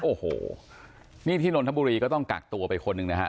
โอ้โหนี่ที่นนทบุรีก็ต้องกักตัวไปคนหนึ่งนะฮะ